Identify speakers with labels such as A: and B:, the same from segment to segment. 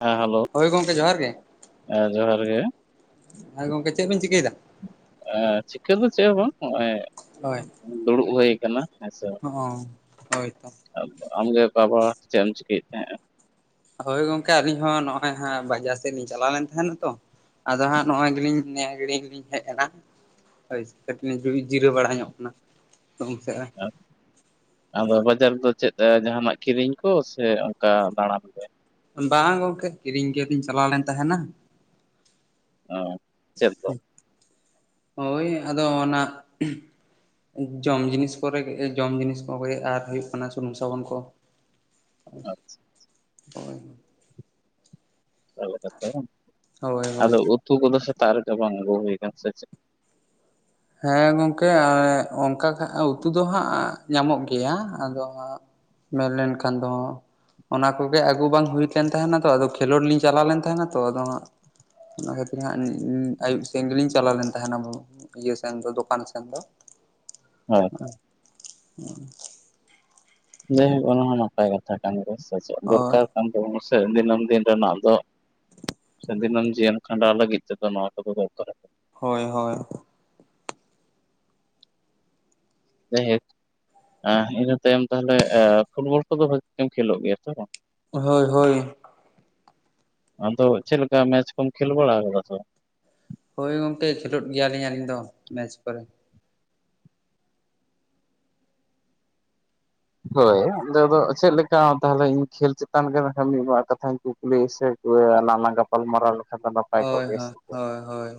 A: ᱦᱮᱸ ᱦᱮᱞᱳ
B: ᱦᱚᱭ ᱜᱚᱢᱠᱮ ᱡᱚᱦᱟᱨ ᱜᱮ
A: ᱡᱚᱦᱟᱨ ᱜᱮ
B: ᱦᱚᱭ ᱜᱚᱝᱠᱮ ᱪᱮᱫ ᱵᱤᱱ ᱪᱤᱠᱟᱹ ᱭᱮᱫᱟ
A: ᱪᱤᱠᱟᱹ ᱫᱚ ᱪᱮᱫ ᱦᱚᱸ ᱵᱟᱝ ᱱᱚᱜᱼᱚᱭ
B: ᱦᱚᱭ
A: ᱫᱩᱲᱩᱵ ᱦᱩᱭ ᱟᱠᱟᱱᱟ ᱦᱮᱸᱥᱮ
B: ᱚ ᱦᱳᱭᱛᱚ [unintelligible]
A: ᱟᱢᱜᱮ ᱚᱠᱟᱵᱟᱲᱟ ᱪᱮᱫ ᱮᱢ ᱪᱤᱠᱟᱹᱭᱮᱫ ᱛᱟᱦᱮᱸᱱᱟ
B: ᱦᱳᱭ ᱜᱚᱝᱠᱮ ᱟᱹᱞᱤᱧ ᱦᱚᱸ ᱱᱚᱜᱼᱚᱭ ᱦᱟᱸᱜ ᱵᱟᱡᱟᱨ ᱥᱮᱫ ᱞᱤᱧ ᱪᱟᱞᱟᱣ ᱞᱮᱱ ᱛᱟᱦᱮᱱᱟ ᱛᱚ ᱟᱫᱚ ᱦᱟᱸᱜ ᱱᱚᱜᱚᱭ ᱜᱮᱞᱤᱧ ᱱᱤᱭᱟᱹ ᱜᱮᱞᱤᱧ ᱦᱮᱡ ᱮᱱᱟ ᱳᱭ ᱠᱟᱹᱴᱤᱡ ᱡᱩ ᱡᱤᱨᱟᱹᱣ ᱵᱟᱲᱟ ᱧᱚᱜ ᱠᱟᱱᱟ ᱜᱚᱝᱠᱮ
A: ᱟᱫᱚ ᱵᱟᱡᱟᱨ ᱫᱚ ᱪᱮᱫ ᱡᱟᱦᱟᱱᱟᱜ ᱠᱤᱨᱤᱧ ᱠᱚ ᱥᱮ ᱚᱱᱠᱟ ᱫᱟᱬᱟᱱ ᱜᱮ
B: ᱵᱟᱝ ᱜᱚᱝᱠᱮ ᱠᱤᱨᱤᱧ ᱜᱮᱞᱤᱧ ᱪᱟᱞᱟᱣ ᱞᱮᱱ ᱛᱟᱦᱮᱱᱟ
A: ᱚ
B: ᱦᱚᱭ ᱟᱫᱚ ᱚᱱᱟ ᱡᱚᱢ ᱡᱤᱱᱤᱥ ᱠᱚᱨᱮ ᱡᱚᱢ ᱡᱤᱱᱤᱥ ᱠᱚᱜ ᱟᱨ ᱦᱩᱭᱩᱜ ᱠᱟᱱᱟ ᱥᱩᱱᱩᱢ ᱥᱟᱵᱚᱱ ᱠᱚ ᱟᱪ ᱦᱚᱭ
A: ᱞᱮᱠᱟᱛᱮ ᱵᱟᱝ
B: ᱦᱳᱭ ᱦᱳᱭ
A: ᱟᱫᱚ ᱩᱛᱩ ᱠᱚᱫᱚ ᱥᱮᱛᱟᱜ ᱨᱮᱫᱚ ᱵᱟᱝ ᱟᱹᱜᱩ ᱦᱩᱭ ᱟᱠᱟᱱ ᱥᱮ ᱪᱮᱫ
B: ᱦᱮᱸ ᱜᱚᱢᱠᱮ ᱚᱱᱠᱟ ᱠᱷᱟ ᱩᱛᱩ ᱫᱚ ᱦᱟᱸᱜ ᱧᱟᱢᱚᱜ ᱜᱮᱭᱟ ᱟᱫᱚ ᱢᱮᱱ ᱞᱮᱱ ᱠᱷᱟᱱ ᱫᱚ ᱚᱱᱟ ᱠᱚᱜᱮ ᱟᱹᱜᱩ ᱵᱟᱝ ᱦᱩᱭᱞᱮᱱ ᱛᱟᱦᱮᱱᱟ ᱛᱚ ᱟᱫᱚ ᱠᱷᱮᱞᱳᱰ ᱞᱤᱧ ᱪᱟᱞᱟᱣ ᱞᱮᱱ ᱛᱟᱦᱮᱱᱟ ᱛᱚ ᱟᱫᱚ ᱦᱟᱸᱜ ᱚᱱᱟ ᱠᱷᱟᱹᱛᱤᱨ ᱦᱟᱸᱜ ᱟᱹᱭᱩᱵ ᱥᱮᱱ ᱜᱮᱞᱤᱧ ᱪᱟᱞᱟᱣ ᱞᱮᱱ ᱛᱟᱦᱮᱱᱟ ᱟᱵᱚ ᱤᱭᱟᱹ ᱥᱮᱱ ᱫᱚ ᱫᱚᱠᱟᱱ ᱥᱮᱱ ᱫᱚ
A: ᱦᱳᱭ
B: ᱦᱸ [inaudible]
A: ᱡᱟᱭᱦᱳ [unintelligible] ᱚᱱᱟ ᱦᱚᱸ ᱱᱟᱯᱟᱭ ᱠᱟᱛᱷᱟ ᱠᱟᱱ ᱜᱮᱭᱟ ᱥᱮ ᱪᱮᱫ
B: ᱦᱳᱭ
A: ᱫᱚᱨᱠᱟᱨ ᱠᱟᱱ ᱛᱟᱵᱚᱱᱟ ᱥᱮ ᱫᱤᱱᱟᱹᱢ ᱫᱤᱱ ᱨᱮᱱᱟᱜ ᱫᱚ᱾ ᱥᱮ ᱫᱤᱱᱟᱹᱢ ᱡᱤᱭᱚᱱ ᱠᱷᱟᱸᱰᱟᱣ ᱞᱟᱹᱜᱤᱫ ᱛᱮ ᱫᱚ ᱱᱚᱣᱟ ᱠᱚᱫᱚ ᱫᱚᱨᱠᱟᱨᱚᱜ
B: ᱦᱚᱭ ᱦᱚᱭ
A: ᱦ [unintelligible] ᱤᱱᱟᱹ ᱛᱟᱭᱚᱢ ᱛᱟᱦᱚᱞᱮ ᱯᱷᱩᱴᱵᱚᱞ ᱠᱚᱫᱚ ᱵᱷᱟᱹᱜᱤ ᱛᱮᱢ ᱠᱷᱮᱞᱳᱜ ᱜᱮᱭᱟ ᱛᱚ ᱵᱟᱝ
B: ᱦᱚᱭ ᱦᱚᱭ
A: ᱟᱫᱚ ᱪᱮᱫ ᱞᱮᱠᱟ ᱢᱮᱪ ᱠᱚᱢ ᱠᱷᱮᱞ ᱵᱟᱲᱟ ᱠᱟᱫᱟ ᱛᱚ
B: ᱦᱚᱭ ᱜᱚᱢᱠᱮ ᱠᱷᱮᱞᱳᱰ ᱜᱮᱭᱟᱞᱤᱧ ᱟᱹᱞᱤᱧ ᱫᱚ ᱢᱮᱪ ᱠᱚᱨᱮ
A: ᱦᱚᱭ ᱟᱫᱚ ᱪᱮᱫ ᱞᱮᱠᱟ ᱛᱟᱦᱚᱞᱮ ᱤᱧ ᱠᱷᱮᱞ ᱪᱮᱛᱟᱱ ᱨᱮ ᱢᱤᱫ ᱵᱟᱨ ᱠᱟᱛᱷᱟᱧ ᱠᱩ ᱠᱩᱞᱤ ᱥᱮ ᱟᱞᱟᱝ ᱜᱟᱯᱟᱞᱢᱟᱨᱟᱣ ᱞᱮᱠᱷᱟᱱ ᱫᱚ ᱱᱟᱯᱟᱭ
B: ᱦᱳᱭ
A: ᱠᱚᱜ
B: ᱦᱳᱭ
A: ᱜᱮᱥᱮ
B: ᱦᱳᱭ ᱦᱳᱭ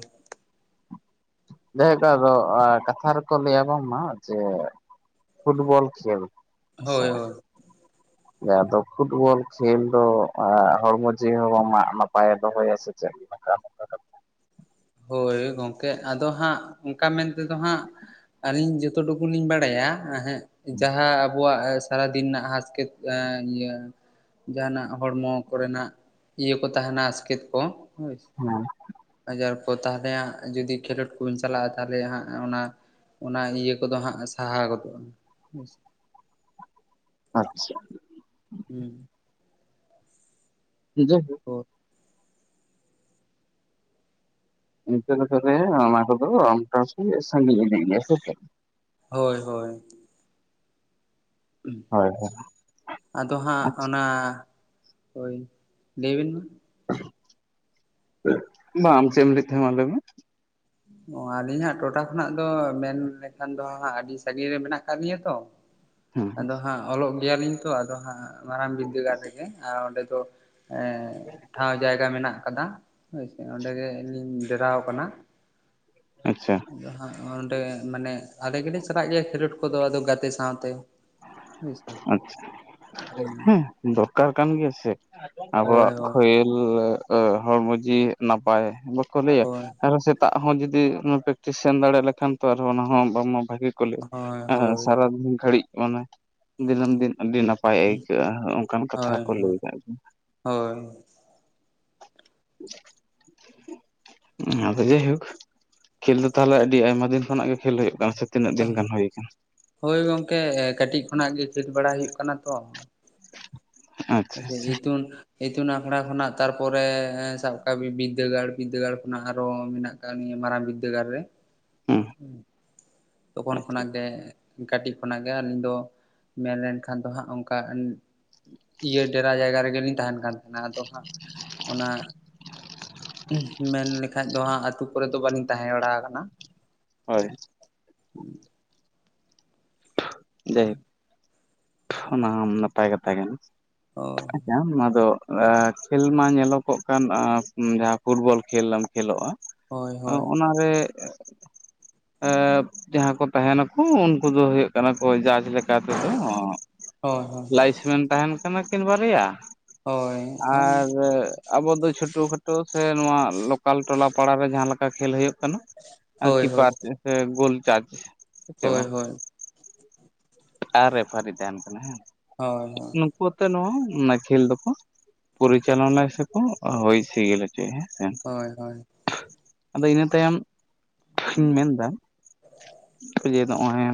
A: ᱡᱟᱭ ᱟᱫᱚ ᱠᱟᱛᱷᱟ ᱨᱮᱠᱚ ᱞᱟᱹᱭᱟ ᱵᱟᱝᱢᱟ ᱡᱮ ᱯᱷᱩᱴᱵᱚᱞ ᱠᱷᱮᱞ
B: ᱦᱳᱭ
A: ᱪᱷᱟ
B: ᱦᱳᱭ
A: ᱟᱫᱚ ᱯᱷᱩᱴᱵᱚᱞ ᱠᱷᱮᱞ ᱫᱚ ᱦᱚᱲᱢᱚ ᱡᱤᱣᱤ ᱦᱚᱸ ᱵᱟᱝ ᱢᱟᱜ ᱱᱟᱯᱟᱭᱮ ᱫᱚᱦᱚᱭᱟ ᱥᱮ [inaudible]
B: ᱦᱚᱭ ᱜᱚᱢᱠᱮ ᱟᱫᱚ ᱦᱟᱸᱜ ᱚᱱᱠᱟ ᱢᱮᱱ ᱛᱮᱫᱚ ᱦᱟᱸᱜ। ᱟᱹᱞᱤᱧ ᱡᱚᱛᱚ ᱴᱩᱠᱩ ᱞᱤᱧ ᱵᱟᱰᱟᱭᱟᱜ ᱦᱮᱸ ᱡᱟᱦᱟᱸ ᱟᱵᱚᱣᱟᱜ ᱥᱟᱨᱟᱫᱤᱱ ᱨᱮᱱᱟᱜ ᱦᱟᱥᱠ [unintelligible] [inaudible] ᱡᱟᱦᱟᱱᱟᱜ ᱦᱚᱲᱢᱚ ᱠᱚᱨᱮᱱᱟᱜ ᱤᱭᱟᱹ ᱠᱚ ᱛᱟᱦᱮᱱᱟ ᱟᱥᱠᱮᱛ ᱠᱚ ᱦᱚ
A: ᱦᱮᱸ
B: ᱟᱡᱟᱨ ᱠᱚ ᱛᱟᱦᱚᱞᱮ ᱦᱟᱸᱜ ᱡᱩᱫᱤ ᱠᱷᱮᱞᱳᱰ ᱠᱚᱵᱚᱱ ᱪᱟᱞᱟᱜᱼᱟ ᱛᱟᱦᱚᱞᱮ ᱦᱟᱸᱜ ᱚᱱᱟ ᱚᱱᱟ ᱤᱭᱟᱹ ᱠᱚᱫᱚ ᱦᱟᱸᱜ ᱥᱟᱦᱟ ᱜᱚᱫᱚᱜᱼᱟ [inaudible]
A: ᱟᱪ ᱪᱷᱟ
B: ᱦᱮᱸ
A: ᱡ [inaudible]
B: ᱜ [unintelligible]
A: ᱱᱤᱛᱚᱜ ᱫᱚ ᱛᱚᱵᱮ ᱢᱟ ᱠᱚ ᱫᱚ ᱟᱢᱴ [unintelligible] ᱥᱟᱜᱤᱧ ᱠᱟᱱ ᱜᱮᱭᱟ ᱥᱮ ᱪᱮᱫ?
B: ᱦᱳᱭ ᱦᱳᱭ
A: ᱦᱳᱭ ᱦᱳᱭ
B: ᱟᱫᱚ ᱦᱟᱸᱜ
A: ᱟᱪᱪᱷᱟ
B: ᱚᱱᱟ ᱦᱳᱭ ᱞᱟᱹᱭᱵᱤᱱ ᱢᱟ
A: ᱟᱢ ᱪᱮᱫ ᱮᱢ ᱞᱮᱫ ᱛᱟᱦᱮᱸ ᱟ ᱢᱟ ᱞᱟᱹᱭ ᱢᱮ
B: ᱚ ᱟᱹᱞᱤᱧ ᱦᱟᱸᱜ ᱴᱚᱴᱷᱟ ᱠᱷᱚᱱᱟᱜ ᱫᱚ ᱢᱮᱱ ᱞᱮᱠᱷᱟᱱ ᱫᱚ ᱦᱟᱸᱜ ᱟᱹᱰᱤ ᱥᱟᱹᱜᱤᱧ ᱨᱮ ᱢᱮᱱᱟᱜ ᱟᱠᱟᱫ ᱞᱤᱧᱟᱹ ᱛᱚ,
A: ᱦᱮᱸ
B: ᱟᱫᱚ ᱦᱟᱸᱜ ᱚᱞᱚᱜ ᱜᱮᱭᱟᱞᱤᱧ ᱛᱚ ᱟᱫᱚ ᱦᱟᱸᱜ ᱢᱟᱨᱟᱝ ᱵᱤᱫᱽᱫᱟᱹᱜᱟᱲ ᱨᱮᱜᱮ ᱟᱨ ᱚᱸᱰᱮ ᱫᱚ ᱮ ᱴᱷᱟᱶ ᱡᱟᱭᱜᱟ ᱢᱮᱱᱟᱜ ᱠᱟᱫᱟ ᱦᱳᱭᱥᱮ ᱚᱸᱰᱮᱜᱮ ᱞᱤᱧ ᱰᱮᱨᱟᱣ ᱠᱟᱱᱟ
A: ᱟᱪ ᱪᱷᱟ
B: ᱟᱫᱚ ᱦᱟᱸᱜ ᱚᱸᱰᱮ ᱢᱟᱱᱮ ᱟᱞᱮ ᱜᱮᱞᱮ ᱪᱟᱞᱟᱜ ᱜᱮᱭᱟ ᱠᱷᱮᱞᱳᱰ ᱠᱚᱫᱚ ᱟᱫᱚ ᱜᱟᱛᱮ ᱥᱟᱶᱛᱮ᱾ ᱦᱳᱭᱥᱮ
A: ᱟᱪ
B: ᱦᱩᱸ
A: ᱪᱷᱟ ᱦᱮᱸ ᱫᱚᱨᱠᱟᱨ ᱠᱟᱱ ᱜᱮᱭᱟ ᱥᱮ
B: ᱦᱳᱭ
A: ᱟᱵᱚᱣᱟᱜ
B: ᱦᱳᱭ
A: ᱠᱷᱚᱭ [unintelligible] ᱦᱚᱲᱢᱚ ᱡᱤᱣᱤ ᱱᱟᱯᱟᱭ ᱵᱟᱠᱚ ᱞᱟᱹᱭᱟ
B: ᱦᱳᱭ
A: ᱟᱨ ᱦᱚᱸ [inaudible] ᱫᱟᱜ ᱦᱚᱸ ᱡᱩᱫᱤ ᱯᱨᱮᱠᱴᱤᱥ [unintelligible] ᱥᱮᱱ ᱫᱟᱲᱮᱭᱟᱜ ᱞᱮᱠᱷᱟᱱ ᱛᱚ ᱟᱨ ᱦᱚᱸ ᱚᱱᱟ ᱦᱚᱸ ᱵᱟᱝ ᱵᱷᱟᱹᱜᱤ ᱠᱚ
B: ᱦᱳᱭ
A: [unintelligible]
B: ᱦᱳᱭ
A: ᱥᱟᱨᱟᱫᱤᱱ ᱜᱷᱟᱹᱲᱤᱡ ᱢᱟᱱᱮ, ᱫᱤᱱᱟᱹᱢ ᱫᱤᱱ ᱟᱹᱰᱤ ᱱᱟᱯᱟᱭ ᱟᱹᱭᱠᱟᱹᱜᱼᱟ ᱚᱱᱠᱟᱱ ᱠᱟᱛᱷᱟ
B: ᱦᱳᱭ
A: ᱠᱚ ᱞᱟᱹᱭ ᱠᱟᱜ ᱜᱮᱭᱟ᱾
B: ᱦᱳᱭ
A: [inaudible]
B: [inaudible]
A: ᱟᱫᱚ ᱡᱟᱭᱦᱳᱠ ᱠᱷᱮᱞ ᱫᱚ ᱛᱟᱦᱚᱞᱮ ᱟᱹᱰᱤ ᱟᱭᱢᱟ ᱫᱤᱱ ᱠᱷᱚᱱᱟᱜ ᱜᱮ ᱠᱷᱮᱞ ᱦᱩᱭᱩᱜ ᱠᱟᱱᱟ ᱥᱮ ᱛᱤᱱᱟᱹᱜ
B: ᱚ
A: ᱫᱤᱱ ᱜᱟᱱ ᱦᱩᱭ ᱟᱠᱟᱱᱟ
B: [inaudible] ᱦᱳᱭ ᱜᱚᱝᱠᱮ ᱠᱟᱹᱴᱤᱡ ᱠᱷᱚᱱᱟᱜ ᱜᱮ ᱠᱷᱮᱞ ᱵᱟᱲᱟ ᱦᱩᱭᱩᱜ ᱠᱟᱱᱟ ᱛᱚ
A: [inaudible]
B: ᱟᱪᱪᱷᱟ ᱡᱤᱛᱩᱱ ᱤᱛᱩᱱ ᱟᱠᱥᱲᱟ ᱠᱷᱚᱱᱟᱜ ᱛᱟᱨᱯᱚᱨᱮ ᱥᱟᱵ ᱠᱟᱜ ᱢᱮ ᱵᱤᱫᱽᱫᱟᱹᱜᱟᱲ ᱵᱤᱫᱽᱫᱟᱹᱜᱟᱲ ᱠᱷᱚᱱᱟᱜ ᱟᱨᱚ ᱢᱮᱱᱟᱜ ᱱᱤᱭᱟᱹ ᱢᱟᱨᱟᱝ ᱵᱤᱫᱽᱫᱟᱹᱜᱟᱲ ᱨᱮ
A: ᱦᱮᱸ
B: ᱛᱚᱠᱷᱚᱱ
A: ᱟᱪᱪᱷᱟ
B: ᱠᱷᱚᱱᱟᱜ ᱜᱮ ᱠᱟᱹᱴᱤᱡ ᱠᱷᱚᱱᱟᱜ ᱜᱮ ᱟᱹᱞᱤᱧ ᱫᱚ ᱢᱮᱱ ᱞᱮᱱᱠᱷᱟᱱ ᱫᱚ ᱦᱟᱸᱜ ᱚᱱᱠᱟ ᱤᱭᱟᱹ ᱰᱮᱨᱟ ᱡᱟᱭᱜᱟ ᱨᱮᱜᱮᱞᱤᱧ ᱛᱟᱦᱮᱱ ᱠᱟᱱ ᱛᱟᱦᱮᱱᱟ ᱟᱫᱚ ᱦᱟᱸᱜ ᱚᱱᱟ ᱢᱮᱱ ᱞᱮᱠᱷᱟᱡ ᱫᱚ ᱦᱟᱸᱜ ᱟᱛᱩ ᱠᱚᱨᱮᱫ ᱫᱚ ᱵᱟᱹᱞᱤᱧ ᱛᱟᱦᱮᱸ ᱵᱟᱲᱟ ᱠᱟᱱᱟ
A: ᱦᱳᱭ
B: ᱦᱮᱸ
A: ᱡᱟᱭᱡᱳᱠ ᱚᱱᱟ ᱱᱟᱯᱟᱭ ᱠᱟᱛᱷᱟ ᱜᱮ
B: ᱦᱳᱭ
A: ᱟᱪᱸᱪᱷᱟ ᱚᱱᱟ ᱫᱚ ᱠᱷᱮᱞ ᱢᱟ ᱧᱮᱞᱚᱜᱚᱜ ᱠᱟᱱ ᱡᱟᱦᱟᱸ ᱯᱷᱩᱴᱵᱚᱞ ᱠᱷᱮᱞ ᱮᱢ ᱠᱷᱮᱞᱚᱜᱼᱟ
B: ᱦᱳᱭ
A: ᱟᱸ
B: ᱦᱳᱭ
A: ᱚᱱᱟ ᱮ ᱡᱟᱦᱟᱸ ᱠᱚ ᱛᱟᱦᱮᱱᱟᱠᱚ ᱩᱱᱠᱩ ᱫᱚ ᱦᱩᱭᱩᱜ ᱠᱟᱱᱟ ᱠᱚ ᱡᱟᱡᱽ ᱞᱮᱠᱟ ᱛᱮᱫᱚ
B: ᱦᱳᱭ
A: ᱞᱟᱭᱤᱥᱢᱮᱱ ᱛᱟᱦᱮᱱ ᱠᱟᱱᱟ ᱠᱤᱱ ᱵᱟᱨᱭᱟ,
B: ᱦᱳᱭ
A: ᱟᱨ
B: ᱦᱳᱭ
A: ᱟᱵᱚ ᱫᱚ ᱪᱷᱳᱴᱳ ᱠᱷᱟᱴᱳ ᱥᱮ ᱱᱚᱣᱟ ᱞᱚᱠᱟᱞ ᱴᱚᱞᱟ ᱯᱟᱲᱟ ᱨᱮ ᱡᱟᱦᱟᱸ ᱞᱮᱠᱟ ᱠᱷᱮᱞ ᱦᱩᱭᱩᱜ ᱠᱟᱱᱟ ᱟᱨ
B: ᱦᱳᱭ
A: ᱠᱤᱯᱟᱨ ᱥᱮ ᱜᱳᱞ ᱪᱟᱨᱪ
B: ᱦᱳᱭ ᱦᱳᱭ
A: ᱟᱨᱮ ᱯᱷᱟᱨᱤ ᱛᱟᱦᱮᱱ ᱠᱟᱱᱟ ᱦᱮᱸ
B: ᱦᱳᱭ ᱦᱳᱭ
A: ᱱᱩᱠᱩ ᱟᱛᱮ ᱱᱚᱣᱟ ᱚᱱᱟ ᱠᱷᱮᱞ ᱫᱚᱠᱚ ᱯᱚᱨᱤᱪᱟᱞᱚᱱᱟ ᱥᱮᱠᱚ ᱦᱩᱭ ᱥᱤᱜᱤᱞ ᱪᱮ ᱦᱮᱸ ᱥᱮ
B: ᱦᱳᱭ ᱦᱳᱭ ᱦᱳᱭ
A: ᱟᱫᱚ ᱤᱱᱟᱹ ᱛᱟᱭᱚᱢ ᱤᱧ ᱢᱮᱱᱫᱟ ᱡᱮ ᱱᱚᱜᱼᱚᱭ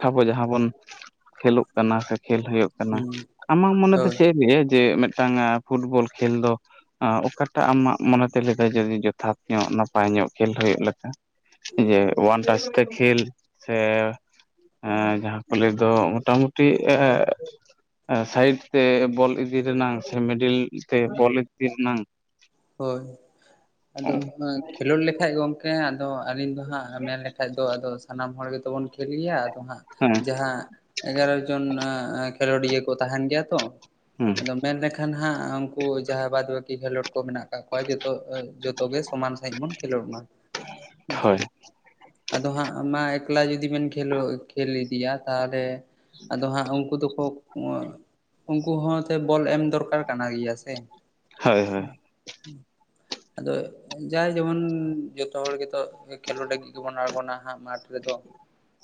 A: ᱟᱷᱟᱵᱚ ᱡᱟᱦᱟᱸ ᱵᱚᱱ ᱠᱷᱮᱞᱳᱜ ᱠᱟᱱᱟ ᱥᱮ ᱠᱷᱮᱞ ᱦᱩᱭᱩᱜ ᱟᱢᱟᱜ ᱢᱚᱱᱮ ᱫᱚ
B: ᱦᱳᱭ
A: ᱪᱮᱫ ᱡᱮ ᱢᱤᱫᱴᱟᱝ ᱯᱷᱩᱴᱵᱚᱞ ᱠᱷᱮᱞ ᱫᱚ ᱚᱠᱟᱴᱟᱜ ᱟᱢᱟᱜ ᱢᱚᱱᱮᱛᱮ ᱞᱟᱹᱭᱟ ᱡᱚᱫᱤ ᱡᱚᱛᱷᱟᱛ ᱧᱚᱜ ᱱᱟᱯᱟᱭ ᱧᱚᱜ ᱠᱷᱮᱞ ᱦᱩᱭᱩᱜ ᱞᱮᱠᱟ ᱡᱮ ᱚᱣᱟᱱ ᱴᱟᱪ ᱛᱮ ᱠᱷᱮᱞ ᱥᱮ ᱡᱟᱦᱟᱸ ᱠᱚᱞᱮ ᱫᱚ ᱢᱳᱴᱟᱢᱩᱴᱤ ᱮ ᱥᱟᱭᱤᱰ ᱛᱮ ᱵᱚᱞ ᱤᱫᱤ ᱨᱮᱱᱟᱝ ᱥᱮ ᱢᱤᱰᱤᱞ ᱛᱮ ᱵᱚᱞ ᱤᱫᱤ ᱨᱮᱱᱟᱝ
B: ᱦᱳᱭ ᱟᱫᱚ
A: ᱦᱮᱸ
B: ᱠᱷᱮᱞᱳᱰ ᱞᱮᱠᱷᱟᱡ ᱜᱚᱢᱠᱮ ᱟᱫᱚ ᱟᱹᱞᱤᱧ ᱫᱚ ᱦᱟᱸ ᱢᱮᱱ ᱞᱮᱠᱷᱷᱟ ᱫᱚ ᱟᱫᱚ ᱥᱟᱱᱟᱢ ᱦᱚᱲ ᱜᱮ ᱵᱚᱱ ᱠᱷᱮᱞ ᱜᱮᱭᱟ ᱟᱫᱚ ᱦᱟᱸᱜ
A: ᱦᱮᱸ
B: ᱡᱟᱦᱟᱸ ᱮᱜᱟᱨᱚ ᱡᱚᱱ ᱠᱷᱮᱞᱳᱰᱤᱭᱟᱹ ᱠᱚ ᱛᱟᱦᱮᱱ ᱜᱮᱭᱟ ᱛᱚ ᱟᱫᱚ ᱢᱮᱱ ᱞᱮᱠᱷᱟᱱ ᱮᱱᱠᱷᱟᱱ ᱦᱟᱸᱜ ᱩᱱᱠᱩ ᱡᱟᱦᱟᱸᱭ ᱵᱟᱫ ᱵᱟᱹᱠᱤ ᱠᱷᱮᱞᱳᱰ ᱠᱚ ᱢᱮᱱᱟᱜ ᱠᱟᱜ ᱠᱚᱣᱟᱭ ᱡᱚᱛᱚ ᱡᱚᱛᱚᱜ ᱜᱮ ᱥᱚᱢᱟᱱ ᱥᱟᱺᱦᱤᱡ ᱵᱚᱱ ᱠᱷᱮᱞᱳᱰ ᱢᱟ ᱦᱮᱸᱥᱮ
A: ᱦᱳᱭ
B: ᱟᱫᱚ ᱦᱟᱸᱜ ᱢᱟ ᱮᱠᱞᱟ ᱡᱩᱫᱤ ᱵᱮᱱ ᱠᱷᱮᱞ ᱠᱷᱮᱞ ᱤᱫᱤᱭᱟ ᱛᱟᱦᱚᱞᱮ ᱟᱫᱚ ᱦᱟᱸᱜ ᱩᱱᱠᱩ ᱫᱚᱠᱚ ᱚᱸ ᱩᱱᱠᱩ ᱦᱚᱸ ᱵᱚᱞ ᱮᱢ ᱫᱚᱨᱠᱟᱨ ᱠᱟᱱᱟ ᱜᱮᱭᱟ ᱥᱮ
A: ᱦᱳᱭ ᱦᱳᱭ
B: ᱟᱫᱚ ᱡᱟᱭ ᱡᱮᱢᱚᱱ ᱡᱚᱛᱚ ᱦᱚᱲ ᱜᱮᱛᱚ ᱠᱷᱮᱞᱳᱰ ᱞᱟᱹᱜᱤᱫ ᱜᱮᱵᱚᱱ ᱟᱬᱜᱚᱱᱟ ᱦᱟᱸᱜ ᱢᱟᱴᱷ ᱨᱮᱫᱚ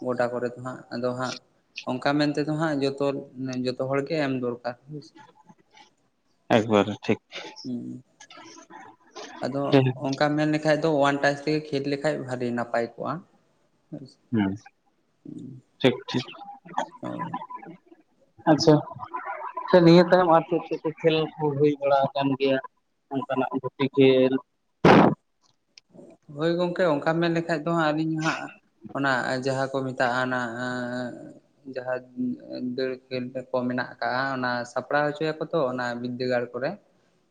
B: ᱜᱚᱴᱟ ᱠᱚᱨᱮ ᱫᱚ ᱦᱟᱸᱜ ᱟᱫᱚ ᱦᱟᱸᱜ ᱚᱱᱠᱟ ᱢᱮᱱᱛᱮᱫᱚ ᱦᱟᱸᱜ ᱡᱚᱛᱚ ᱡᱚᱛᱚ ᱦᱚᱲᱜᱮ ᱮᱢ ᱫᱚᱨᱠᱟᱨ
A: ᱮᱠᱵᱟᱨᱮ ᱴᱷᱤᱠ
B: ᱦᱮᱸ ᱟᱫᱚ
A: ᱦᱮᱸ
B: ᱚᱱᱠᱟ ᱢᱮᱱ ᱞᱮᱠᱷᱟᱱ ᱮᱠᱷᱟᱡ ᱫᱚ ᱳᱭᱟᱱ ᱴᱟᱪ ᱛᱮᱜᱮ ᱠᱷᱮᱞ ᱞᱮᱠᱟᱡ ᱵᱷᱟᱹᱜᱤ ᱱᱟᱯᱟᱭ ᱠᱚᱜᱼᱟ
A: ᱦᱮᱸ ᱴᱷᱤᱠ ᱴᱷᱤᱠ
B: ᱦᱳᱭ
A: ᱟᱪᱷᱟ ᱱᱤᱭᱟᱹ ᱛᱟᱭᱚᱢ ᱟᱨ ᱪᱮᱫ ᱪᱮᱫ ᱠᱚ ᱠᱷᱮᱞ ᱠᱚ ᱦᱩᱭ ᱵᱟᱲᱟ ᱟᱠᱟᱱ ᱜᱮᱭᱟ ᱚᱱᱠᱟᱱᱟᱜ ᱜᱩᱛᱤ ᱠᱷᱮᱞ᱾
B: ᱦᱳᱭ ᱜᱚᱝᱠᱮ ᱚᱱᱠᱟᱢ ᱢᱮᱱᱞᱠᱷᱟᱡ ᱫᱚ ᱦᱟᱸᱜ ᱟᱹᱞᱤᱧ ᱦᱟᱸᱜ ᱚᱱᱟ ᱡᱟᱦᱟᱸ ᱠᱚ ᱢᱮ ᱛᱱᱟᱜ ᱟᱸ ᱡᱟᱦᱟᱸ ᱫᱟᱹᱲ ᱠᱷᱮᱞᱰ ᱠᱚ ᱢᱮᱱᱟᱜ ᱟᱠᱟᱜ ᱚᱱᱟ ᱥᱟᱯᱲᱟᱣ ᱦᱚᱪᱚᱭᱟ ᱛᱚ ᱚᱱᱟ ᱵᱤᱫᱽᱫᱟᱹᱜᱟᱲ ᱠᱚᱨᱮ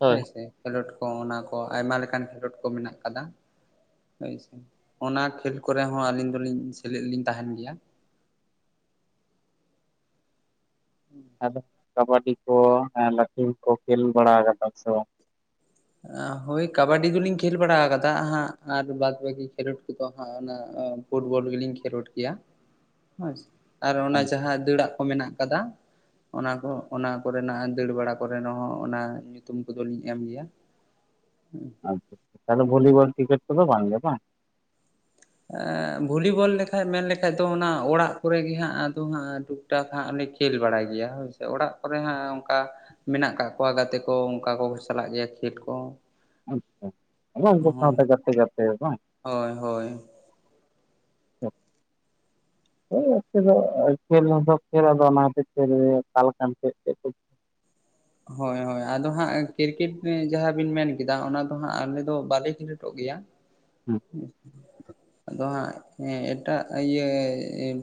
A: ᱦᱳᱭ
B: ᱦᱳᱭᱥᱮ ᱠᱷᱮᱞᱳᱰ ᱠᱚ ᱚᱱᱟ ᱠᱚ ᱟᱭᱢᱟ ᱞᱮᱠᱟᱱ ᱠᱷᱮᱞᱳᱰ ᱠᱚ ᱢᱮᱱᱟᱜ ᱠᱟᱫᱟ ᱦᱳᱭ ᱥᱮ ᱚᱱᱟ ᱠᱷᱮᱞ ᱠᱚᱨᱮ ᱦᱚᱸ ᱟᱹᱞᱤᱧ ᱫᱚᱞᱤᱧ ᱥᱮᱞᱮᱫ ᱞᱤᱧ ᱛᱟᱦᱮᱱ ᱜᱮᱭᱟ ᱦᱩᱸ
A: ᱟᱫᱚ ᱠᱟᱵᱟᱰᱤ ᱠᱚ ᱞᱟᱹᱴᱷᱤᱢ ᱠᱚ ᱠᱷᱮᱞ ᱵᱟᱲᱟ ᱟᱠᱟᱫᱟ ᱥᱮᱵᱟ
B: ᱦᱳᱭ ᱠᱟᱵᱟᱰᱤ ᱫᱚᱞᱤᱧ ᱠᱷᱮᱞ ᱵᱟᱲᱟ ᱟᱠᱟᱫᱟ ᱦᱟᱸᱜ ᱟᱨ ᱵᱟᱫ ᱵᱟᱹᱠᱤ ᱠᱷᱮᱞᱳᱰ ᱠᱚᱫᱚ ᱦᱟᱸᱜ ᱚᱱᱟ ᱯᱷᱩᱴᱵᱚᱞ ᱜᱮᱞᱤᱧ ᱠᱷᱮᱞᱳᱰ ᱜᱮᱭᱟ ᱦᱮᱸ ᱟᱨ ᱚᱱᱟ
A: ᱵᱟᱝ
B: ᱡᱟᱦᱟᱸ ᱫᱟᱹᱲᱟᱜ ᱠᱚ ᱢᱮᱱᱟᱜ ᱟᱠᱟᱫᱟ ᱚᱱᱟ ᱠᱚ ᱚᱱᱟ ᱠᱚᱨᱮᱱᱟᱜ ᱫᱟᱹᱲ ᱵᱟᱲᱟ ᱠᱚᱨᱮ ᱦᱚᱸ ᱚᱱᱟ ᱧᱩᱛᱩᱢ ᱠᱚᱫᱚᱞᱤᱧ ᱮᱢ ᱜᱮᱭᱟ ᱦᱮᱸ
A: ᱟᱪ ᱛᱟᱦᱚᱞᱮ ᱵᱷᱚᱞᱤᱵᱚᱞ ᱠᱨᱤᱠᱮᱴ ᱫᱚ ᱵᱟᱝ ᱜᱮ ᱵᱟᱝ
B: ᱵᱷᱚᱞᱤᱵᱚᱞ ᱞᱮᱠᱷᱟᱡ ᱢᱮᱱᱞᱠᱷᱟᱡ ᱫᱚ ᱚᱱᱟ ᱚᱲᱟᱜ ᱠᱚᱨᱮᱜ ᱜᱮ ᱦᱟᱸᱜ ᱟᱫᱚ ᱦᱟᱸᱜᱩ ᱮᱴᱟᱠ ᱦᱟᱸᱜ ᱞᱮ ᱠᱷᱮᱞ ᱵᱟᱲᱟᱭ ᱜᱮᱭᱟ ᱦᱳᱭ ᱥᱮ ᱚᱲᱟᱜ ᱠᱚᱨᱮ ᱦᱟᱸᱜ ᱚᱱᱠᱟ ᱢᱮᱱᱟᱜ ᱠᱟᱜ ᱠᱚᱣᱟ ᱜᱟᱛᱮ ᱠᱚ ᱚᱱᱠᱟ ᱠᱚ ᱪᱟᱞᱟᱜ ᱜᱮᱭᱟ ᱠᱷᱮᱞ ᱠᱚ
A: ᱟᱪᱪᱷᱟ ᱩᱱᱠᱩ ᱥᱟᱶᱛᱮ ᱜᱟᱛᱮ ᱜᱟᱛᱮ ᱵᱟᱝ
B: ᱦᱚᱭ ᱦᱚᱭ,
A: ᱚᱜ [unintelligible] ᱠᱷᱮᱞ [inaudible] ᱠᱷᱮᱞ ᱟᱫᱚ ᱚᱱᱟ ᱠᱷᱟᱹᱛᱤᱨ ᱛᱮ ᱜᱮ ᱛᱟᱞ ᱠᱷᱟᱱ ᱪᱮᱫ ᱛᱮᱫ ᱠᱚᱪᱚ?
B: ᱦᱳᱭ ᱦᱳᱭ ᱟᱫᱚ ᱦᱟᱸᱜ ᱠᱨᱤᱠᱮᱴ ᱡᱟᱦᱟᱸ ᱵᱤᱱ ᱢᱮᱱ ᱠᱮᱫᱟ ᱚᱱᱟ ᱫᱚ ᱦᱟᱸᱜ ᱟᱞᱮ ᱫᱚ ᱵᱟᱞᱮ ᱠᱷᱮᱞᱳᱰᱚᱜ ᱜᱮᱭᱟ᱾ [unintelligible] ᱟᱫᱚ ᱦᱟᱸᱜ ᱦᱮᱸ ᱮᱴᱟᱜ ᱤᱭᱟᱹᱻ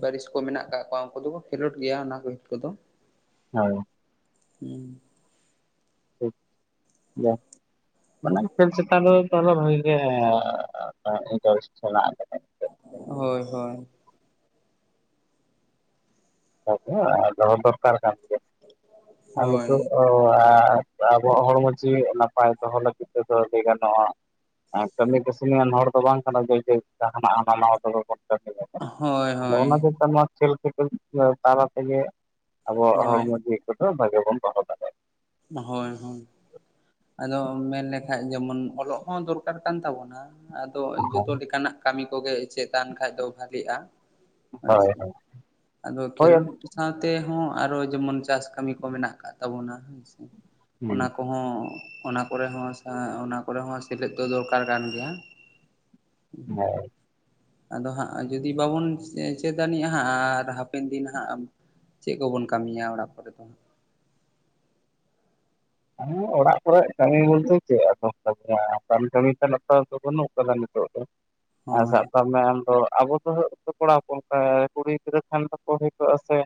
B: ᱯᱟᱹᱨᱤᱥ ᱠᱚ ᱢᱮᱱᱟᱜ ᱠᱟᱜ ᱠᱚᱣᱟ ᱩᱱᱠᱩ ᱫᱚᱠᱚ ᱠᱷᱮᱞᱳᱰ ᱜᱮᱭᱟ ᱚᱱᱟ ᱠᱚᱭᱤᱜ ᱠᱚᱫᱚ᱾
A: ᱦᱳᱭ
B: ᱦᱩᱸ
A: ᱴᱷᱤᱠ ᱜᱤᱭᱟ ᱢᱟᱱᱮ ᱠᱷᱮᱞ ᱪᱮᱛᱟᱱ ᱨᱮ ᱫᱚ ᱛᱟᱦᱚᱞᱮ ᱵᱷᱟᱜᱤ ᱜᱮ ᱤᱱᱴᱟᱨᱮᱥᱴ ᱢᱮᱱᱟᱜ ᱟᱠᱟᱫᱟ᱾
B: ᱦᱳᱭ ᱦᱳᱭ
A: [inaudible] ᱟᱫᱚ ᱫᱚᱨᱠᱟᱨ ᱠᱟᱱ ᱜᱮᱭᱟ ᱟᱨ
B: ᱦᱳᱭ
A: ᱱᱤᱛᱚᱜ [inaudible] ᱞᱟᱦᱟ ᱟᱵᱚᱣᱟᱜ ᱦᱚᱲᱢᱚ ᱡᱤᱣᱤ ᱱᱟᱯᱟᱭ ᱫᱚᱦᱚ ᱞᱟᱹᱜᱤᱫ ᱛᱮᱫᱚ ᱞᱟᱹᱭ ᱜᱟᱱᱚᱜᱼᱟ᱾ ᱟᱨ ᱠᱟᱹᱢᱤ ᱠᱟᱹᱥᱱᱤᱭᱟᱱ ᱦᱚᱲ ᱫᱚ ᱵᱟᱝ ᱠᱟᱱᱟ ᱵᱚ ᱡᱮ ᱡᱟᱦᱟᱱᱟᱜ ᱦᱟᱱᱟ ᱱᱟᱣᱟ [inaudible] [inaudible] [inaudible] [unintelligible]
B: ᱦᱳᱭ
A: ᱟᱫᱚ
B: ᱦᱳᱭ
A: ᱚᱱᱟ ᱪᱮᱛᱟᱱ ᱢᱟ ᱠᱷᱮᱞ ᱠᱷᱮᱯᱮᱞ [unintelligible] ᱛᱟᱞᱟ ᱛᱮᱜᱮ ᱟᱵᱚᱣᱟᱜ
B: ᱦᱳᱭ
A: ᱦᱚᱲᱢᱚ ᱡᱤᱣᱤ᱾ [unintelligible] ᱵᱚᱱ ᱫᱚᱦᱚ ᱠᱟᱛᱮᱫ
B: ᱦᱳᱭ ᱦᱳᱭ ᱟᱫᱚ ᱢᱮᱱᱞᱮᱠᱷᱟᱡ ᱡᱮᱢᱚᱱ ᱚᱞᱚᱜ ᱦᱚᱸ ᱫᱚᱨᱠᱟᱨ ᱠᱟᱱ ᱛᱟᱵᱚᱱᱟ᱾ ᱟᱫᱚ
A: ᱫᱟᱲᱮᱭᱟᱜᱼᱟ
B: ᱡᱚᱛᱚ ᱞᱮᱠᱟᱱᱟᱜ ᱠᱟᱢᱤ ᱠᱚᱜᱮ ᱪᱮᱫ ᱟᱱ ᱠᱷᱟᱱ ᱫᱚ ᱵᱷᱟᱜᱮᱜᱼᱟ᱾ ᱦᱳᱭ ᱥᱮ ᱟᱫᱚ
A: ᱦᱳᱭ
B: ᱠᱷᱮᱞᱳᱰ ᱥᱟᱶ ᱛᱮᱦᱚᱸ ᱟᱨᱚ ᱡᱮᱢᱚᱱ ᱪᱟᱥ ᱠᱟᱢᱤ ᱠᱚ ᱢᱮᱱᱟᱜ ᱠᱟᱫ ᱛᱟᱵᱚᱱᱟ, ᱦᱳᱭ ᱥᱮ
A: ᱦᱩᱸ
B: ᱚᱱᱟ ᱠᱚᱦᱚᱸ ᱚᱱᱟ ᱠᱚᱨᱮ ᱦᱚᱸ ᱟᱪᱷᱟ ᱚᱱᱟ ᱠᱚᱨᱮ ᱦᱚᱸ ᱥᱮᱞᱮᱫ ᱫᱚ ᱫᱚᱨᱠᱟᱨ ᱠᱟᱱ ᱜᱮᱭᱟ᱾
A: ᱦᱮᱜ
B: ᱟᱫᱚ ᱦᱟᱸᱜ ᱡᱩᱫᱤ ᱵᱟᱵᱚᱱ [inaudible] ᱪᱮᱫ ᱟᱹᱱᱤᱡᱼᱟ ᱦᱟᱸᱜ ᱟᱨ ᱦᱟᱯᱮᱱ ᱫᱤᱱ ᱦᱟᱸᱜ ᱪᱮᱫ ᱠᱚᱵᱚᱱ ᱠᱟᱢᱤᱭᱟ ᱚᱲᱟᱜ ᱠᱚᱨᱮᱫ ᱫᱚ᱾ [inaudible]
A: [inaudible] ᱚᱲᱟᱜ ᱠᱚᱨᱮ ᱠᱟᱢᱤ ᱵᱚᱞᱛᱮ ᱪᱮᱫ ᱟᱫᱚᱢ ᱠᱟᱢᱤᱭᱟ ᱠᱟᱢᱤ ᱠᱟᱢᱤ ᱛᱮ ᱱᱚᱛᱮ ᱦᱚᱛᱚ ᱵᱟᱹᱱᱩᱜ ᱠᱟᱫᱟ ᱱᱤᱛᱚᱜ ᱫᱚ᱾ ᱟᱨ
B: ᱦᱳᱭ
A: ᱥᱟᱵ ᱠᱟᱜ ᱢᱮ ᱟᱢᱫᱚ ᱟᱵᱚ ᱫᱚᱜ ᱠᱚᱲᱟ ᱜᱤᱫᱽᱨᱟᱹ ᱠᱟᱱ ᱟᱫᱚ ᱠᱩᱲᱤ ᱜᱤᱫᱽᱨᱟᱹ ᱴᱷᱮᱱ ᱦᱚᱠᱚ ᱦᱩᱭ ᱠᱚ-ᱟ ᱥᱮ᱾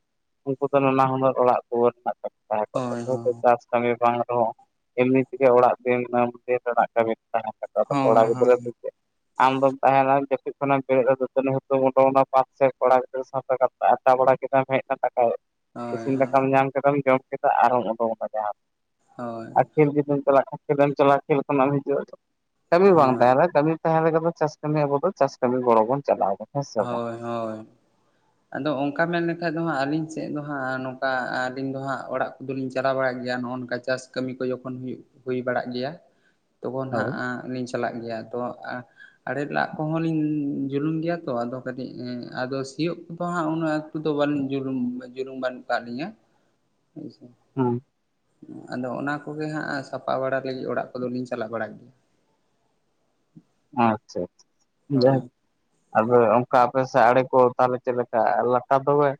A: ᱩᱱᱠᱩ ᱫᱚ ᱱᱟᱱᱟ ᱦᱩᱱᱟᱹᱨ ᱚᱲᱟᱜ ᱫᱩᱣᱟᱹᱨ ᱢᱮᱱᱟᱜ ᱛᱟᱠᱚ ᱛᱟᱦᱮᱸᱠᱚᱜ
B: ᱦᱳᱭ
A: ᱛᱟᱠᱚᱣᱟ
B: ᱦᱳᱭ
A: [inaudible] ᱪᱟᱥ ᱠᱟᱢᱤ ᱵᱟᱝ ᱨᱮᱦᱚᱸ ᱮᱢᱱᱤ ᱛᱮᱜᱮ ᱚᱲᱟᱜ ᱫᱤᱱᱟᱹᱢ ᱫᱤᱱ ᱨᱮᱱᱟᱜ ᱠᱟᱢᱤ ᱛᱟᱦᱮᱸᱱ ᱛᱟᱠᱚᱣᱟ ᱟᱫᱚ ᱠᱚᱲᱟ
B: ᱦᱳᱭ
A: ᱜᱤᱫᱽᱨᱟᱹ
B: ᱦᱳᱭ
A: ᱥᱮ ᱪᱮᱫ? ᱟᱢᱫᱚᱢ ᱛᱟᱦᱮᱱᱟ ᱡᱟᱹᱯᱤᱫ ᱠᱷᱚᱱᱟᱜ ᱮᱢ ᱵᱮᱨᱮᱜ-ᱟ ᱫᱟᱹᱛᱟᱹᱩᱱᱤ ᱦᱩᱛᱩᱢ ᱟᱫᱚ ᱚᱱᱟ ᱵᱟᱸᱫ ᱥᱮᱫ ᱠᱚᱲᱟ ᱜᱤᱫᱽᱨᱟᱹ ᱥᱟᱶᱛᱮ ᱜᱟᱛᱮ [unintelligible] ᱟᱰᱰᱟ ᱵᱟᱲᱟ ᱠᱮᱫᱟᱢ ᱦᱮᱡᱱᱟᱢ ᱫᱟᱠᱟ,
B: ᱦᱳᱭ
A: ᱤᱥᱤᱱ ᱫᱟᱠᱟᱢ ᱧᱟᱢ ᱠᱮᱫᱟᱢ ᱡᱚᱢ ᱠᱮᱫᱟ ᱟᱨᱦᱚᱢ ᱩᱰᱩᱠᱱᱟ ᱡᱟᱦᱟᱸ
B: ᱦᱳᱭ
A: ᱟᱨ ᱠᱷᱮᱞ ᱡᱩᱫᱤᱢ ᱪᱟᱞᱟᱜ ᱠᱷᱟᱱ ᱠᱷᱮᱞᱮᱢ ᱪᱟᱞᱟᱜᱼᱟ ᱠᱷᱮᱞ ᱠᱷᱚᱱᱟᱜ ᱮᱢ ᱦᱤᱡᱩᱜᱼᱟ ᱠᱟᱹᱢᱤ ᱵᱟᱝ
B: ᱦᱳᱭ
A: ᱛᱟᱦᱮᱨᱮ ᱠᱟᱹᱢᱤ ᱛᱟᱦᱚᱞᱮ ᱠᱷᱟᱱ ᱫᱚ ᱪᱟᱥ ᱠᱟᱹᱢᱤ ᱟᱵᱚ ᱫᱚ ᱪᱟᱥ ᱠᱟᱹᱢᱤ ᱜᱚᱲᱚ ᱵᱚᱱ ᱪᱟᱞᱟᱣ ᱠᱚᱜ᱾
B: ᱦᱳᱭ ᱦᱳᱭ, ᱟᱫᱚ ᱚᱱᱠᱟ ᱢᱮᱱ ᱞᱮᱠᱷᱟᱱ ᱫᱚ ᱦᱟᱸᱜ ᱟᱹᱞᱤᱧ ᱥᱮᱫ ᱫᱚ ᱦᱟᱸᱜ ᱱᱚᱝᱠᱟ ᱟᱹᱞᱤᱧ ᱫᱚ ᱦᱟᱸᱜ ᱚᱲᱟᱜ ᱫᱚᱞᱤᱧ ᱪᱟᱞᱟᱣ ᱵᱟᱲᱟᱜ ᱜᱮᱭᱟ ᱱᱚᱜᱼᱚᱭ ᱱᱚᱝᱠᱟ ᱪᱟᱥ ᱠᱟᱹᱢᱤ ᱠᱚ ᱡᱚᱠᱷᱚᱱ ᱦᱩᱭᱩᱜ ᱦᱳᱭ ᱵᱟᱲᱟᱜ ᱜᱮᱭᱟ᱾ ᱛᱚᱠᱷᱚᱱ ᱦᱟᱸᱜ
A: ᱦᱳᱭ
B: ᱟᱸᱜ ᱞᱤᱧ ᱪᱟᱞᱟᱜ ᱜᱮᱭᱟ ᱛᱚ ᱟ ᱟᱲᱮ ᱞᱟᱜ ᱠᱚᱦᱚᱸ ᱞᱤᱧᱻ ᱡᱩᱞᱩᱝ ᱜᱮᱭᱟ ᱛᱚ ᱟᱫᱚ ᱠᱟᱹᱴᱤᱡ ᱮᱸ ᱟᱫᱚ ᱥᱤᱭᱳᱜ ᱠᱚᱫᱚ ᱦᱟᱸᱜ ᱩᱱᱟᱹᱜ ᱮᱠᱴᱩ ᱫᱚ ᱡᱩᱞᱩᱢ ᱡᱩᱞᱩᱝ ᱵᱟᱹᱱᱩᱜ ᱠᱟᱜ ᱞᱤᱧᱟᱹ [inaudible]
A: ᱦᱩᱸ,
B: ᱟᱫᱚ ᱚᱱᱟ ᱠᱚᱜᱮ ᱦᱟᱸᱜ ᱥᱟᱯᱟ ᱵᱟᱲᱟ ᱞᱟᱹᱜᱤᱫ ᱚᱲᱟᱜ ᱠᱚᱫᱚᱞᱤᱧ ᱪᱟᱞᱟᱜ ᱵᱟᱲᱟᱜ ᱜᱮᱭᱟ᱾
A: ᱟᱪᱷᱟ ᱟᱪᱷᱟ ᱡᱷᱟ
B: ᱦᱳᱭ
A: ᱟᱫᱚ ᱚᱱᱠᱟ ᱟᱯᱮ ᱥᱮ ᱟᱲᱮ ᱠᱚ ᱛᱟᱦᱚᱞᱮ ᱪᱮᱫ ᱞᱮᱠᱟ ᱞᱟᱴᱟ ᱫᱚᱢᱮ?.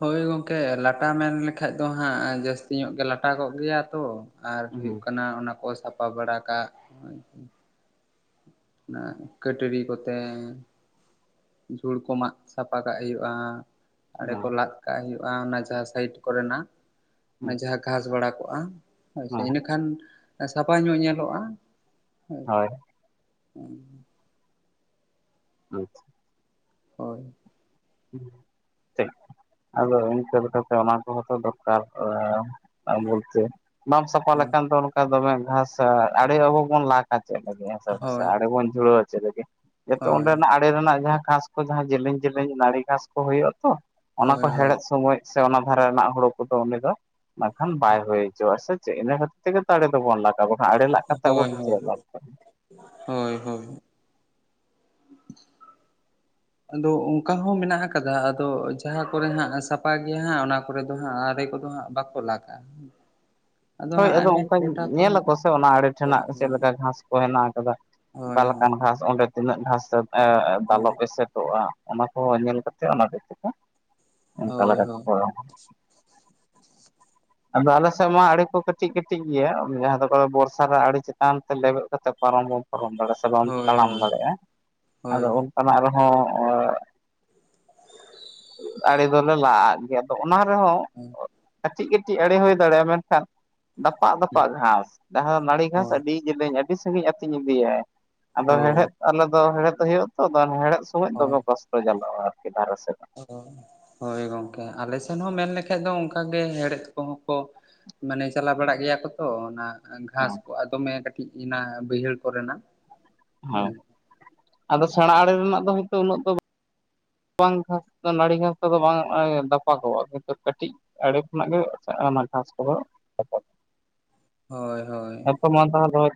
B: ᱦᱳᱭ ᱜᱚᱝᱠᱮ ᱞᱟᱴᱟ ᱢᱮᱱ ᱞᱮᱠᱷᱟᱱ ᱫᱚ ᱦᱟᱸᱜ ᱡᱟᱹᱥᱛᱤ ᱧᱚᱜ ᱜᱮ ᱞᱟᱴᱟ ᱠᱚᱜ ᱜᱮᱭᱟ ᱛᱚ᱾ ᱟᱨ ᱦᱩᱭᱩᱜ
A: ᱦᱩᱸ
B: ᱠᱟᱱᱟ ᱚᱱᱟ ᱠᱚ ᱥᱟᱯᱟ ᱵᱟᱲᱟ ᱠᱟᱜ᱾ [unintelligible] ᱟᱜ ᱠᱟᱹᱴᱟᱹᱨᱤ ᱠᱚᱛᱮ ᱡᱷᱩᱲ ᱠᱚ ᱢᱟᱸᱜ ᱥᱟᱯᱟ ᱠᱟᱜ ᱦᱩᱭᱩᱜᱼᱟ᱾ ᱟᱲᱮ ᱠᱚ
A: ᱦᱩᱸ
B: ᱞᱟᱸᱜ ᱠᱟᱜ ᱦᱩᱭᱩᱜᱼᱟ ᱚᱱᱟ ᱡᱟᱦᱟᱸ ᱥᱟᱭᱤᱰ ᱠᱚᱨᱮᱱᱟᱜ᱾ ᱚᱱᱮ ᱡᱟᱦᱟᱸ ᱜᱷᱟᱸᱥ ᱵᱟᱲᱟ ᱠᱚᱜᱼᱟ ᱦᱳᱭᱥᱮ
A: ᱦᱩᱸ
B: ᱤᱱᱟᱹᱠᱷᱟᱱ ᱥᱟᱯᱷᱟ ᱧᱚᱜ ᱧᱮᱞᱚᱜᱼᱟ
A: [inaudible]
B: ᱦᱚᱸ
A: ᱟᱪᱪᱷᱟ
B: ᱦᱳᱭ
A: ᱴᱷᱤᱠ ᱟᱫᱚ ᱤᱱᱠᱟᱹ ᱞᱮᱠᱟ ᱛᱮ ᱚᱱᱟ ᱠᱚᱦᱚᱸ ᱛᱚ ᱫᱚᱨᱠᱟᱨ ᱠᱚᱜ-ᱟ ᱟᱵᱚᱞᱛᱮ ᱵᱟᱢ ᱥᱟᱯᱷᱟ ᱞᱮᱠᱷᱟᱱ ᱫᱚ ᱚᱱᱠᱟ ᱫᱚᱢᱮ ᱜᱷᱟᱸᱥ ᱟᱲᱮ ᱟᱵᱚ ᱵᱚᱱ ᱞᱟᱠ-ᱟ ᱪᱮᱫ ᱞᱟᱹᱜᱤᱫ ᱦᱮᱸ ᱥᱮ
B: ᱦᱳᱭ
A: ᱟᱲᱮᱵᱚᱱ ᱡᱷᱩᱲᱟᱹᱣᱟ ᱪᱮᱫ ᱞᱟᱹᱜᱤᱫ ᱡᱚᱛᱚ
B: ᱦᱳᱭ
A: ᱚᱸᱰᱮᱱᱟᱜ ᱟᱲᱮ ᱨᱮᱱᱟᱜ ᱡᱟᱦᱟᱸ ᱜᱷᱟᱸᱥ ᱠᱚ ᱡᱟᱦᱟᱸ ᱡᱮᱞᱮᱧ ᱡᱮᱞᱮᱧ ᱱᱟᱹᱲᱤ ᱜᱷᱟᱸᱥ ᱠᱚ ᱦᱩᱭᱩᱜᱼᱟ ᱛᱚ ᱚᱱᱟ
B: ᱦᱳᱭ
A: ᱠᱚ
B: ᱦᱳᱭ
A: ᱦᱮᱲᱮᱫ ᱥᱚᱢᱚᱭ ᱥᱮ ᱚᱱᱟ ᱫᱷᱟᱨᱮ ᱨᱮᱱᱟᱜ ᱦᱩᱲᱩ ᱠᱚᱫᱚ ᱩᱱᱤ ᱫᱚ ᱵᱟᱝᱠᱷᱟᱱ ᱵᱟᱭ ᱦᱩᱭ ᱦᱚᱪᱚᱼᱟ ᱥᱮ ᱪᱮᱫ ᱤᱱᱟ ᱠᱷᱟᱹᱛᱤᱨ ᱛᱮᱜᱮ ᱫᱟᱲᱮ ᱫᱚᱵᱚ ᱞᱟᱠ-ᱟ ᱛᱟᱵᱟᱠᱷᱟᱱ ᱟᱲᱮ ᱞᱟᱜ ᱠᱟᱛᱮᱜ ᱟᱵᱚ
B: ᱦᱳᱭ ᱦᱳᱭ
A: ᱫᱚ ᱪᱮᱫ ᱞᱟᱵᱷ
B: ᱦᱳᱭ ᱦᱳᱭ ᱟᱫᱚ ᱚᱱᱠᱟ ᱦᱚᱸ ᱢᱮᱱᱟᱜ ᱟᱠᱟᱫᱟ ᱟᱫᱚ ᱡᱟᱦᱟᱸ ᱠᱚᱨᱮ ᱦᱟᱸᱜ ᱥᱟᱯᱷᱟ ᱜᱮᱭᱟ ᱦᱟᱸᱜ ᱚᱱᱟ ᱠᱚᱨᱮ ᱫᱚ ᱦᱟᱸᱜ ᱟᱲᱮ ᱠᱚᱫᱚ ᱦᱟᱸᱜ ᱵᱟᱠᱚ ᱠᱚᱞᱟᱠᱟ
A: ᱦᱳᱭ ᱟᱫᱚ ᱚᱱᱠᱟᱧ ᱧᱮᱞ ᱟᱠᱚ ᱥᱮ ᱚᱱᱟ ᱟᱲᱮ
B: ᱦᱳᱭ
A: ᱴᱷᱮᱱᱟᱜ ᱪᱮᱫ ᱞᱮᱠᱟ ᱜᱷᱟᱸᱥ ᱠᱚ ᱦᱮᱸᱱᱟᱜ ᱟᱠᱟᱫᱟ
B: ᱦᱳᱭ
A: ᱚᱠᱟᱞᱮᱠᱟᱱ ᱜᱷᱟᱸᱥ ᱚᱸᱰᱮ ᱛᱤᱱᱟᱹᱜ ᱜᱷᱟᱸᱥ ᱮᱸ
B: ᱦᱳᱭ
A: ᱫᱟᱞᱚᱵ ᱮᱥᱮᱫᱚᱜᱼᱟ ᱚᱱᱟ ᱠᱚ ᱧᱮᱞ ᱠᱟᱛᱮᱜ ᱚᱱᱟ ᱠᱚ ᱠᱟᱛᱷᱟ ᱚᱱᱠᱟ
B: ᱦᱳᱭ
A: ᱞᱮᱠᱟ
B: ᱦᱳᱭ
A: ᱠᱚ ᱠᱚᱨᱟᱣ-ᱟ ᱟᱫᱚ ᱟᱞᱮ ᱥᱮᱜ ᱢᱟ ᱟᱲᱮᱹ ᱠᱚ ᱠᱟᱹᱴᱤᱡ ᱠᱟᱹᱴᱤᱡ ᱜᱮᱭᱟ ᱡᱟᱦᱟᱸ ᱫᱚ ᱵᱚᱨᱥᱟ ᱨᱮ ᱟᱹᱰᱤ ᱪᱮᱛᱟᱱ ᱛᱮ ᱞᱮᱵᱮᱫ ᱠᱟᱛᱮ ᱯᱟᱨᱚᱢ ᱵᱚᱱ ᱯᱟᱨᱚᱢ ᱫᱟᱲᱮ ᱥᱮ ᱵᱟᱢ
B: ᱦᱳᱭ
A: ᱛᱟᱲᱟᱢ
B: ᱦᱳᱭ
A: ᱫᱟᱲᱮᱭᱟᱜᱼᱟ
B: ᱦᱳᱭ
A: ᱟᱫᱚ ᱚᱱᱠᱟᱱᱟᱜ ᱨᱮᱦᱚᱸ ᱟᱲᱮ ᱫᱚᱞᱮ ᱞᱟᱜ ᱟᱫ ᱜᱮᱭᱟ ᱟᱫᱚ ᱚᱱᱟ ᱨᱮᱦᱚᱸ
B: ᱦᱩᱸ
A: ᱠᱟᱹᱴᱤᱡ ᱠᱟᱹᱴᱤᱡ ᱟᱲᱮ ᱦᱩᱭ ᱫᱟᱲᱮᱭᱟᱜᱼᱟ ᱢᱮᱱᱠᱷᱟᱱ ᱫᱟᱯᱟᱜ ᱫᱟᱯᱟᱜ ᱜᱷᱟᱥ, ᱡᱟᱸᱦᱟ ᱱᱟᱹᱲᱤ ᱜᱷᱟᱥ
B: ᱦᱳᱭ
A: ᱟᱹᱰᱤ ᱡᱮᱞᱮᱧ ᱟᱹᱰᱤ ᱥᱟᱺᱜᱤᱧ ᱟᱹᱛᱤᱧ ᱤᱫᱤᱭᱟᱭ ᱟᱫᱚ ᱦᱮᱲᱦᱮᱫ ᱟᱞᱮ ᱫᱚ ᱦᱮᱲᱦᱮᱫ ᱦᱩᱭᱩᱜᱼᱟ ᱛᱚ [inaudible] ᱦᱮᱲᱦᱮᱫ ᱥᱚᱢᱚᱭ [inaudible] ᱫᱚᱢᱮ
B: ᱦᱳᱭ
A: ᱠᱚᱥᱴᱚ ᱡᱟᱞᱟᱣ-ᱟ ᱟᱨᱠᱤ ᱫᱷᱟᱨᱮ ᱥᱮᱱᱟᱜ
B: ᱦᱳᱭ ᱜᱚᱝᱠᱮ ᱟᱞᱮ ᱥᱮᱱ ᱦᱚᱸ ᱢᱮᱱ ᱞᱮᱠᱷᱟᱡ ᱫᱚ ᱚᱱᱠᱟᱜ ᱜᱮ ᱦᱮᱲᱦᱮᱫ ᱠᱚᱦᱚᱸ ᱠᱚ ᱢᱟᱱᱮ ᱪᱟᱞᱟᱣ ᱵᱟᱲᱟᱜ ᱜᱮᱭᱟ ᱠᱚ ᱛᱚ ᱚᱱᱟ ᱜᱷᱟᱸᱥ
A: ᱦᱮᱸ
B: ᱠᱚ ᱫᱚᱢᱮ ᱠᱟᱹᱴᱤᱡ ᱤᱱᱟ ᱵᱟᱹᱭᱦᱟᱹᱲ ᱠᱚᱨᱮᱱᱟᱜ
A: ᱦᱮᱸ
B: ᱦᱳᱭ
A: ᱟᱫᱚ ᱥᱮᱬᱟ ᱟᱲᱮ ᱨᱮᱱᱟᱜ ᱫᱚ ᱦᱚᱭᱛᱳ ᱩᱱᱟᱹᱜ ᱫᱚ ᱵᱟᱝ ᱜᱷᱟᱥ ᱱᱟᱹᱲᱤ ᱜᱷᱟᱥ ᱫᱚ ᱵᱟᱝ ᱫᱟᱯᱟᱜ ᱠᱚᱜᱼᱟ ᱠᱤᱱᱛᱩ ᱠᱟᱹᱴᱤᱡ ᱟᱲᱮ ᱠᱷᱚᱱᱟᱜ ᱜᱮ ᱚᱱᱟ ᱜᱷᱟᱥ ᱠᱚᱦᱚ ᱠᱷᱚᱯᱚ
B: ᱦᱳᱭ ᱦᱳᱭ
A: ᱢᱟᱱ ᱫᱷᱟᱣ [inaudible]